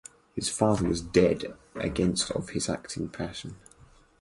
His father was dead against of his acting passion.